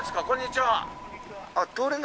こんにちは。